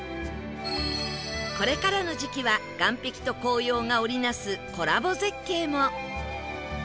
これからの時期は岩壁と紅葉が織り成すコラボ絶景も